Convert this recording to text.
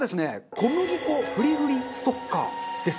小麦粉ふりふりストッカーです。